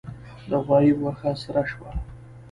د غوايي غوښه سره شوه.